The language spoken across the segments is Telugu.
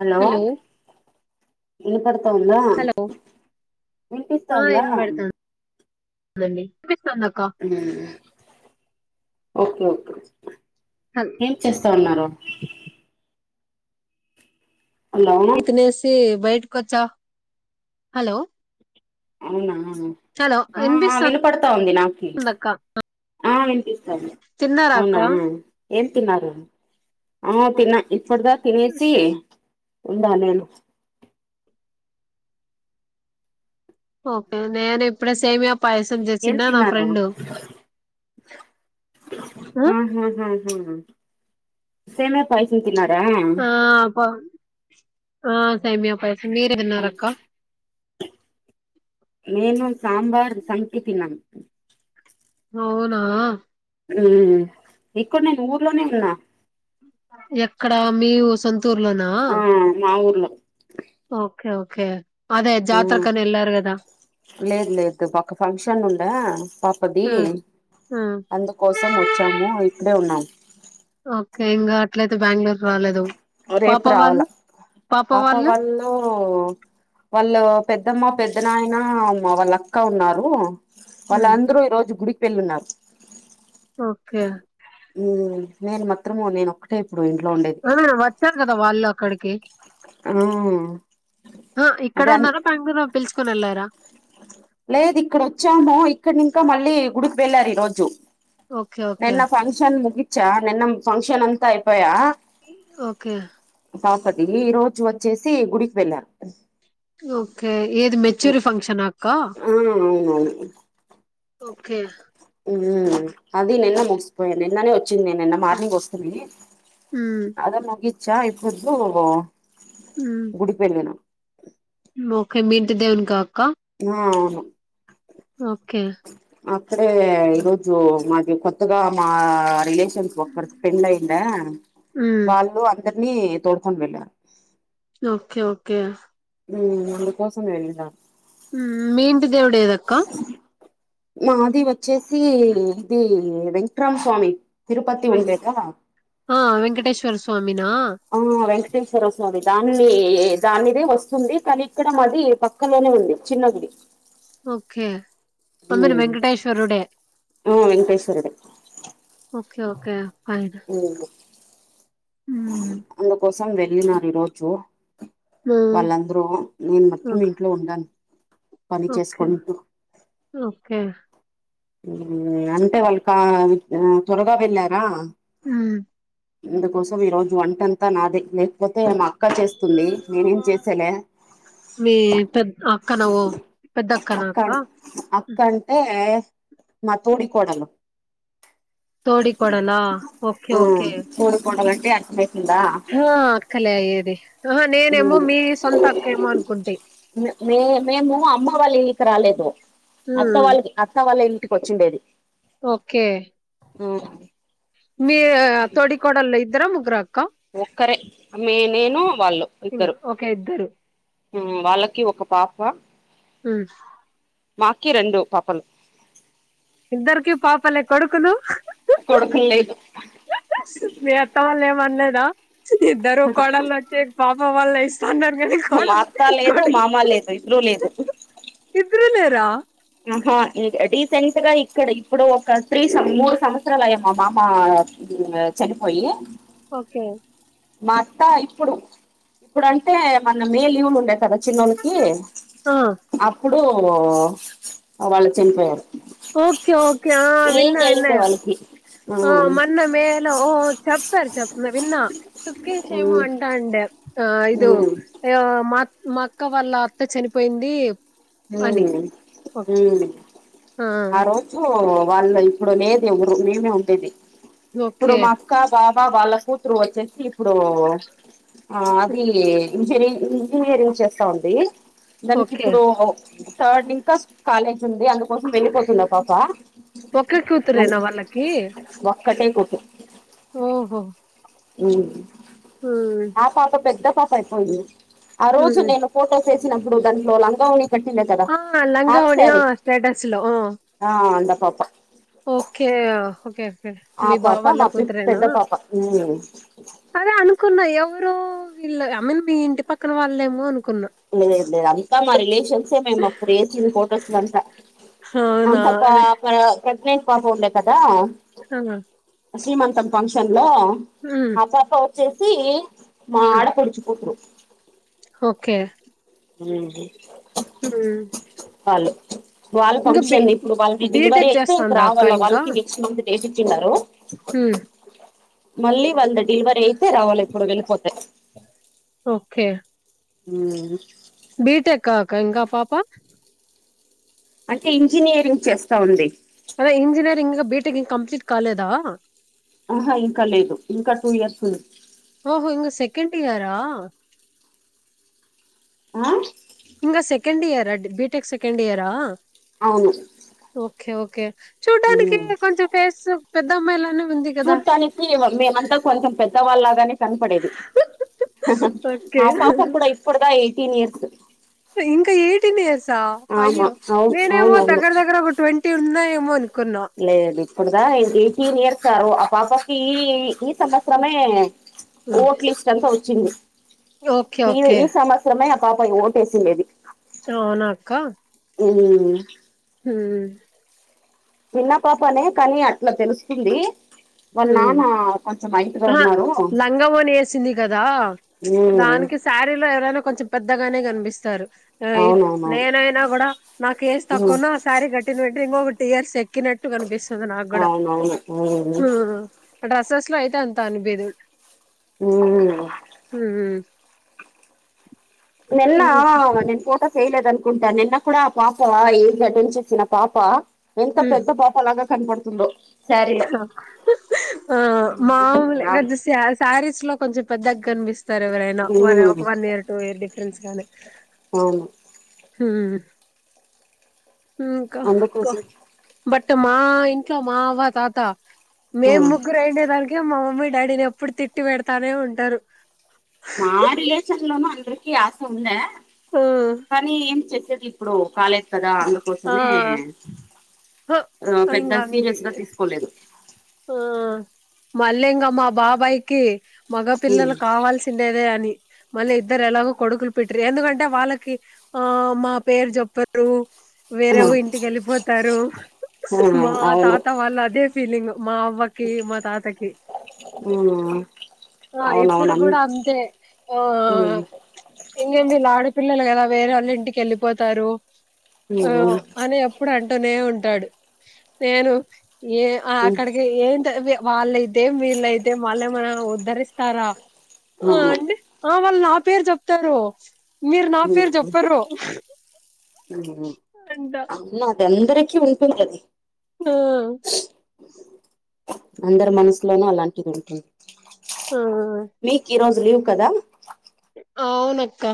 హలో ఇనపడతా ఉందా హలో విన్పిస్తా ఉందా ఉందండి ఉమ్ ఓకే ఓకే హల్ ఏం చేస్తా ఉన్నారు హలో మీ తినేసి బయటకొచ్చా హలో అవునా హలో ఆ ఆ వినిపిస్తుంది వినపడతా ఉంది నాకి అక్క ఆ విన్పిస్తాంది తిన్నారా అక్క అవునా ఏం తిన్నారు ఆ తిన్నా ఇప్పుడదా తినసి ఉందా నేను ఓకే నేను ఇప్పుడే సేమ్యా పాయసం జే ఏం తిన్నారు హా హా హా ఉమ్ సేమ్యా పాయసం తినారా ఆ ప ఆ సేమ్యా పాయసం మీరే తిన్నారక్క మేము సాంబార్ సంకి తిన్నాం అవునా ఊ ఇక్కడ నేను ఊర్లోనే ఉన్నా ఎక్కడ మీ ఊ సొంతూరులో నా ఆ మా ఊర్లో ఓకే ఓకే అదే ఆ జాత్రరకని ఎళ్ళారు గదా లేదు లేదు ఒక ఫంక్షన్ ఉండె పాపది ఆ ఆ అందు కోసం వచ్చాము ఇక్కడే ఉన్నాం ఓకే ఇంగా అట్లయితే బ్యాంగ్ళూరు రాలేదు పాప రేపు రావాల వాళ్ళు పాప వళ్ తో వాళ్ళ పెద్దమ్మ పెద్ద నాయన అమ్మ వాళ్ళక్క ఉన్నారు ఉమ్ వాళ్ళందరూ ఈ రోజు గుడికి వెళ్ళున్నారు ఓకే ఉమ్ నేను మత్రము నేనొక్కటే ఇప్పుడు ఇంట్లో ఉండే ఆ వచ్చారు కదా వాళ్ళు అక్కడికి ఆ ఆ ఇక్కడ అదే ఉన్నాను పంగిలో పిల్చుకోనెళ్ళారా లేదు ఇక్కడ వచ్చాము ఇక్కడ నింకా మళ్ళీ గుడికి వెళ్ళారు ఈ రోజు ఓకే. ఓకే. నిన్న ఫంక్షన్ ముగిచ్చా నిన్నం ఫంక్షన్ అంతా అయిపోయా ఓకే పాపతి ఈ రోజు వచ్చేసి గుడికి వెళ్ళారు ఓకే ఏది మెచ్యూరి ఫంక్షనా అక్క? ఆ అవునవును ఓకే ఉమ్ అది నిన్న ముగిసిపోయె నిన్ననే వొ చ్చింది నిన్న మార్నింగ్ వస్తూనే హ్మ్. అదే ముగిచ్చా ఇప్పుడుదు హ్మ్. గుడికి వెళ్ళినా ఓకే మీ ఇంటి దేవునికా అక్క ఆహా ఓకే అక్కడే ఈరోజు మాకి కొత్తగా మా రిలేషన్స్ ఒక్కరి పెండ్లయిందా హ్మ్. వాళ్ళు అందరినీ తోలుకొని వెళ్ళారు ఓకే ఓకే మ్ అందుకోసం వెళ్ళిన మ్ మీ ఇంటి దేవుడేదక్క మాది వచ్చేసి ఇది వెంకట్రామస్వామి తిరుపతి వె ఉండేదా ఆ వెంకటేశ్వర స్వామిన ఆ వెంకటేశ్వర స్వామి దాని దానిదే వస్తుంది కానీ ఇక్కడ మది పక్ క్కలోనే ఉంది చిన్న గుడి ఓకే అ మీరు ఉమ్ వెంకటేశ్వరుడే ఆ వెంకటేశ్వరుడే ఓకే ఓకే ఫైన్ మ్ హ్మ్. అందుకోసం వెళ్ళినారు ఈరోజు హ్మ్. వాళ్ళందరూ నేను మత్రం ఓకే. ఇంట్లో ఉన్నను ఓకే ఓకే మ్ అంటే వాళ్ళు కా త్వరగా వెళ్ళారా మ్ ఇందుకోసం ఈ రోజు వంటంతా నాదే లేకపోతే నా అక్క చేస్తుంది నేనేం చేసేలే మీ పెద్ అక్కన ఓ పెద్ద అక్కనా అక్క అక్కంటే మా తోటి కొడలు తోటికొడల ఓకే ఓకే తోటి కోడలు అంటే అక్కయితుందా ఆ అక్కలే అయ్యేది ఆ నేనేమో మీ సొంత అక్కేమో అనుకుంటి మే మేము అమ్మ వాళ్ళ ఇంటికి రాలేదు అత్త ఉమ్ వాల్ అత్త వల్ల ఇంటికి వచ్చిండేది ఓకే ఆ మీ తోటి కొడల్లు ఇద్దర ముగ్గుర అక్క ఒక్కరే మీ నేను వాళ్ళు ఇంగ ఇద్దరు ఓకే ఇద్దరు మ్ వాళ్ళకి ఒక పాప మ్ మాకి రెండు పాపలు ఇద్దరికి పాపలే కొడుకులు కొడుకులు లేదు మీ అత్త వాళ్ల్ళ ఏమనలేదా ఇద్దరు కోడలు వచ్చి పాప వాళ్ళు ఇస్ కన్నార్ కాని మా కోడల్ అత్త లేదు కోడ్ మామ లేదు ఇద్దరు లేదు ఇద్దరు లేరా ఆహా రీసెంట్ గా ఇక్కడ ఇప్పుడు ఒక త్రీ సం మూడు సంవత్సరాలు అయ్యే మా మామా మ్ చనిపోయి ఓకే మా అత్తా ఇప్పుడు ఇప్పుడు అంటే మన మే లీవ్లు ఉండే కద చిన్నోడికి ఆ అప్పుడు వాళ్ళు చనిపోయారు ఓకే ఓకే ఆ విన్న ఏజ్ విన్న అయింది వాళ్ళకి ఆ ఉమ్ మన్న మెలో ఓ చెప్పారు చెప్ నే విన్నా ఉమ్ సుక్కేచేమో అంటా అండే ఆ ఐదు ఉమ్ అ మాక్ మా అక్క వాళ్ళ అత్త చనిపోయింది ఉమ్ అని ఓక్ ఉమ్ ఆ రో ఉమ్ వాళ్ళ ఇప్పుడు లేదు ఎవరు మేమే ఉండేది, ఇప్పుడు ఓకే మాక్ క్క బాబా వాళ్ళ కూతురు వచ్చేసి ఇప్పుడు, ఆ అది ఇంజినీ ఇంజనీరింగ్ చేస్తా ఉంది, దానికి ఓకే ఇప్పుడు థర్డ్ ఇంకా కాలేజ్ ఉంది అందుకోసం వెళ్ళిపోతుందా పాప ఒక్క కూతురేనా వాళ్ళకి? ఒక్కటే కూతురు ఓహో ఉమ్ ఉమ్ ఆ పాప పెద్ద పాప అయిపోయింది, ఆ రోజు ఉమ్ నేను ఫోటోస్ ఏసినప్పుడు దాంట్లో లంగా వోని ఆ లంగవోని ఆ స్టేటస్ లో ఆ అంద పాప ఓకే ఓకే ఫ్రై ఆ మీ బావ పాప వాళ్ళ మా పి కూతురేనా? పెద్ద పాప ఉమ్. అదే అనుకున్నా ఎవరు వీళ్ళు ఐ మీన్ మీ ఇంటి పక్కన వాళ్ళేమో అనుకున్నా. లేదు లేదు అంతా మా రిలేషన్సే మేము అప్పుడు ఏసింది ఫొటోస్ అంత అవునా అంత పా అదే పర కట్న పాప ఉండే కదా అహా శ్రీమంతం ఫంక్షన్ లో హ్మ్. ఆ పాప వచ్చేసి మా హ్మ్. ఆడపడుచు కూతురు ఓకే ఉమ్ ఉమ్ వాళ్ళు వాళ్ళు ఫంక్షన్ ఇప్పుడు వాళ్ళది డిలివరీ బీటెక్ అయితే చేస్తాందా అక్క రావాల ఇంకా? వాళ్ళకి నెక్స్ట్ మంత్ డేట్ ఇచ్చిండారు హ్మ్. మళ్ళీ వాళ్ళ డిలవరీ అయితే రావాలే ఇప్పుడు వెళ్ళిపోతే ఓకే ఉమ్ బీటెక్కఅక్కా ఇంకా పాప అంటే ఇంజనీయరింగ్ చేస్తా ఉంది. అదే ఇంజిననీయరింగ్ బీటెక్ ఇంకా కంప్లీట్ కాలేదా? అహ ఇంకా లేదు, ఇంకా టూ ఇయర్స్ ఉంది ఓహో ఇంగ సెకెండ్ ఇయరా? ఆ ఇంగ సెకెండ్ ఇయరా డి బి టెక్ సెకెండ్ ఇయరా? అవును ఓకే ఓకే చూడ్టానికి మ్మ్ కొంచం ఫేస్సు పెద్ద అమ్మాయిలనే చూట్ కనీపీవూ మేమంతా కొంచం పెద్దవాళ్ళలాగానే కనపడేది ఓకే. ఆ పాప కూడా ఇప్పుడుదా ఎయిటీన్ ఇయర్స్ ఇంకా ఎయిటీన్ ఇయర్సా ఆమా అయ్యో అవును నేనేమో అవునవును దగ్గర దగ్గర ఒక ట్వంట్ టీ ఉన్నయేమో అనుకున్నా. లేదు ఇప్పుడుదాక ఏయిటీన్ ఇయర్ సారు ఆ పాపకి సంవత్సరమే హ్మ్. ఓట్ లిస్ట్ అంతా వచ్చింది, ఓకే ఈ ఓకే ఈ సంవత్స రమే ఆ పాప ఓటేసిండేది అవునా అక్క? ఊ ఊ నిన్న పాపనే కానీ అట్లా తెలుస్తుంది వాళ్ళ నాన్న కొంచెం అయితు అహ లంగ వోణి వేసింది కదా దానికి శారీలో ఎవరైనా కొంచెం పెద్దగానే కనిపిస్తారు ఆయ్ అవునవునవును నేనైనా కూడా నాకు ఏజ ఉమ్ తక్కువన్నా ఆ శారీ కట్టిన వేంట ఇంకొక టు ఇయర్స్ ఎక్ క్కినట్టు కనిపిస్తుంది నాగుడ అవునవును ఉమ్ ఆ ఆ డ్రెసెస్ లో అయితే అంత అనుపియదు ఊ ఊ నిన్న ఆమె నేన్ పోతా చేయలేద అనుకుంట నిన్న కూడా ఆ పాప ఏ అటెండ్ చేసిన పాప ఎంత పెద్ద పాప లాగా కనపడుతుందో శారీలో ఆ ఆ మామూలే క శారీస్ లో కొంచెం పెద్దగనిపిస్ చూస్తారు ఎవరైనా ఉమ్ ఒక one year two year difference గాని అవును ఊ ఇంకా అక్క అందుకోసం బట్ మా ఇంట్లో మా అవ్వ తాత మేం ఉమ్ ముగ్గురు అయండే దానికి మా మమ్మీ డాడీని ఎప్పుడు తిట్టి పెడతానే ఉంటారు మా రిలేషన్ లోన అందరికి ఆస ఉంద ఆ కానీ ఏం చెసది ఇప్పుడు కాలేదు కదా ఆ అందుకోసమే హ! ఆ పెద్ద ఇంగ అంతే సీరియస్ గా తీసుకోలేదు ఆ మళ్ళీ ఇంకా మా బాబాయ్కి మగ పిల్లలు ఉమ్ కావాల్సిన తిండేదే అని మళ్ళీ ఇద్దరు ఎలాగో కొడుకులు పెటిరి ఎందుకంటే వాళ్ళకి ఆ మా పేరు చెప్పారు రూ వేరేవ ఇంటికి వెళ్ళిపోతారు ఉమ్ మా అవును తాత వాళ్ళు అదే ఫీలింగ్ మా అవ్వకి మా తాతకి ఉమ్ ఆ ఇప్పుడు అవునవును అన్ కూడా అంతే ఓ ఉమ్ ఇంకేం వీళ్ ఆడపిల్లలు కదా వేరే వాళ్ళ ఇంటికి వెళ్ళిపోతారు ఆ ఉమ్ అనేప్ ప్పుడు అంటూనే ఉంటాడు నేను ఏ ఆ ఉమ్ అక్కడికి ఏ వాళ్ళైతే వీళ్ళైతే వాళ్ళు ఏమన ఉద్ధరిస్తారా ఆ అవును అంటె ఆ వాళ్ళు నా పేరు చెప్తారు మీరు నా పేరు చెప్పరు ఊ అంట అమ్మ అది అందరికి ఉంటుందది ఆ అందరు మనసులోనూ అలాంటిది ఉంటుంది ఆ మీకు ఈ రోజు లీవ్ కదా అవునక్క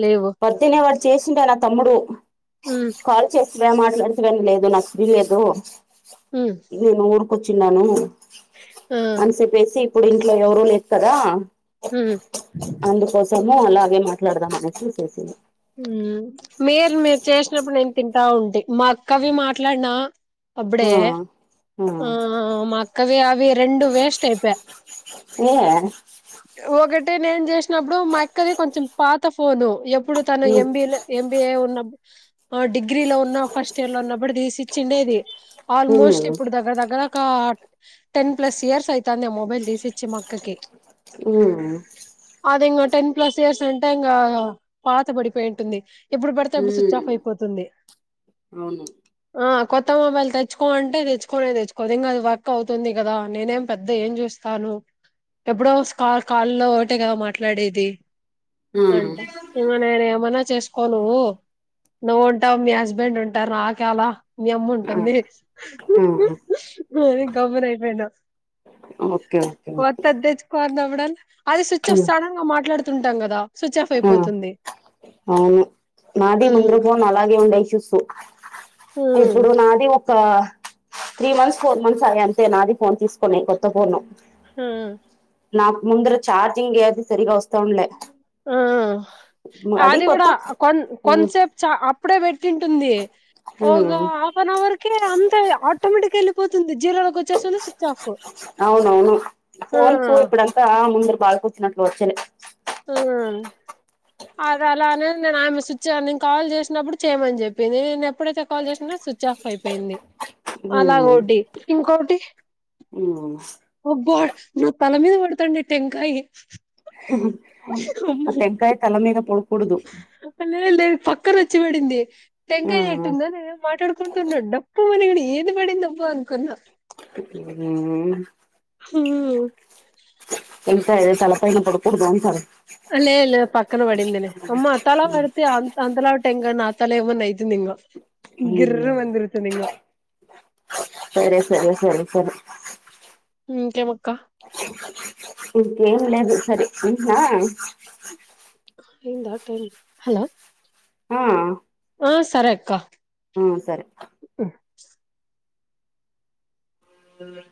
లీవు అతిన వాడు చేసిండ నా తమ్ముడు ఊ కాల్ చేస్త మాట్లాడితేవని లేదు నాకు ఫ్రీ లేదు ఉ నేను ఊరుకొచ్చిన్నాను ఆ అని చెప్పేసి ఇప్పుడు ఇంట్లో ఎవరు లే కదా ఊ అందుకోసము అలాగే మాట్లాడదాం అనేసి చేసింది ఊ మీరు మీ చేసినప్పుడు నేను తింటా ఉంటి మా అక్కవి మాట్లాడినా ఆ అప్పుడే ఆ మాక్కవి అవి రెండు వేస్ట్ అయిపే ఇయ్యే ఒకటి నేను చేసినప్పుడు మా అక్కది కొంచెం పాత ఫోను ఎప్పుడు తను మ్మ్ ఎంబీలో ఎం బీ ఏ ఉన్న ఆ డిగ్రీలో ఉన్న ఫస్ట్ ఇయర్ లో ఉన్నప్పుడు తీసి ఇచ్చిండేది ఆల్మోస్ట్ మ్మ్ ఇప్పుడు దగ్గరగ్గర ఒక టెన్ ప్లస్ ఇయర్స్ అయితంది మొబైల్ తీసి ఇచ్చి మా అక్కకి ఉ ఆ అది ఇంగా టెన్ ప్లస్ ఇయర్స్ అంటే ఇంగా పాత పడిపోయింటుంది ఏప్పుడు పడితే అప్పుడు స్విచ్ మ్మ్ ఆఫ్ అయిపోతుంది అవును ఆ కొత్త మొబైల్ తెచ్చుకో అంటే తెచ్చుకునే తెచ్చుకోదు ఇంగా అది వర్క్ అవుతుంది కదా నేనేం పెద్ద ఏం చేస్ స్తాను ఎప్పుడో కాళ్ల్లో ఒకటే కదా మాట్లాడేది మ్మ్ అంట నువ్వు నేను ఏమైన్నా చేసుకోవ్ నువ్వు ఉంటావు మీ హస్బెండ్ ఉంటారు నాక్ ఏలా మీ ఆ అమ్ముంటుంది మ్మ్ అని గమ్మున అయిపోయినా ఓకే ఓకే ఓకే కొందమడ్దన్ ఆది స్విచ్ఫ్ సడన్ గా మాట్లాడుతుంటాం కదా స్విచ్ఫ్ ఆ అవును నాది ఉమ్ ముందర ఫోన్ అలాగే ఉండేయి చూసు హు ఇప్పుడు నాది ఒక త్రీ మంత్స్ ఫోర్ మంత్స్ అవి అంతే నాది ఫోన్ తీసుకోనే కొత్త ఫోను హు నాకు ముందర చార్జింగ్ ఏది సరిగా వస్తాఉండాలే ఆ అది కూడా కొత్త కొ మ్మ్ కొంతసేపు చ అప్పుడే పెట్టింటుంది ఒగో మ్మ్ ఆ హఫ్వన్ అవర్ కే అంతా ఆటోమేటిక్ వెళ్ళిపోతుంది జీరోల అవునవును ఆ ఫోన్స్ ఇప్పుడంతా ముందరు పాల్ కూర్చినట్లు వచ్చలే హు అద అలా అనేది నేను ఆమె స్విచ్ నేను కాల్ చేసినప్పుడు చేయమని చెప్పింది నేను ఎప్పుడైతే కాల్ చేసినో స్విచ్ ఆఫ్ అయిపోయింది మ్మ్ అలాగోటి ఇంకటి ఒబ్బో నా తల మీద పడతాండే టెంకాయీ ఆ టెంకాయీ తలమీద పొడకూడదు లేదు లేదు పక్కనోచ్చి పడింది టెంకాయి ఉన్నట్టుందో నే మాట్లాడుకుంటున్నా కుమని ఏది పడిందబ్బ అనుకున్నా ఉ హు టెంకాయ తల పైన పడకుడదు అంటారు లెద్ లేద్ పక్కన పడింది లే అమ్మ తల పడితే అ అంత లావ్ టెంకాయ నాతల ఏమన్నయిత నింగ గిర్రుమని తిరుగుతైంగ సరే సరే సరే సరే ఇకెమక్క అ ఇంకేం లేదు సరే అంట్నా అయిందా టైం హలో ఆ ఆ సరే అక్క ఆ సరే మళ్ళా